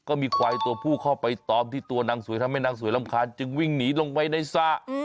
ก็มีควายตัวผู้เข้าไปตอมที่ตัวนางสวยทำให้นางสวยรำคาญจึงวิ่งหนีลงไปในสระ